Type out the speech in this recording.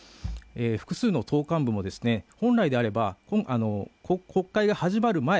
複数の党幹部も本来であれば、国会が始まる前、